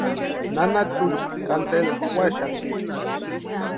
Nana Chucha cantela úaxati.